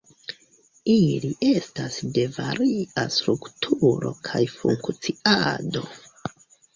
Ili estas de varia strukturo kaj funkciado.